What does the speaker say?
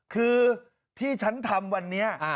คือที่ฉันทำวันนี้